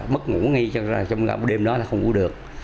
mất ngủ ngay trong đêm đó là không ngủ được